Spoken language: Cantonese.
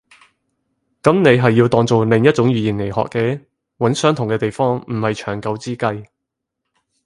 噉你係要當做另一種語言來學嘅。揾相同嘅地方唔係長久之計